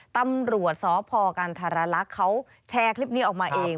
ตำรวจสพกันธรรลักษณ์เขาแชร์คลิปนี้ออกมาเอง